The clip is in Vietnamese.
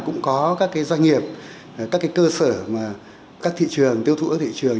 cũng có các cái doanh nghiệp các cái cơ sở mà các thị trường tiêu thụ ở thị trường